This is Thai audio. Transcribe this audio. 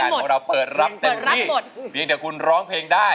เราก็เราเปิดรับที่ได้เป็นที่เพียงแต่ที่คุณร้องเพลงได้